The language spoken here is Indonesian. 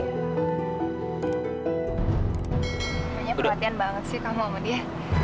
pokoknya perhatian banget sih kamu sama dia